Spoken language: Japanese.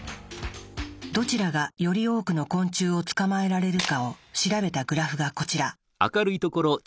どちらがより多くの昆虫を捕まえられるかを調べたグラフがこちら。